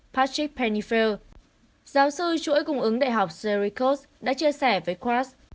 patrick penifield giáo sư chuỗi cung ứng đại học cerritos đã chia sẻ với cross